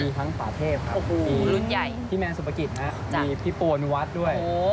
มีทั้งป่าเทพครับมีรุ่นใหญ่พี่แมนสุปกิจนะมีพี่โปนุวัฒน์ด้วย